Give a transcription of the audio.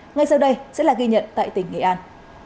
ngay sau đây sẽ là ghi nhận tại tỉnh nghệ an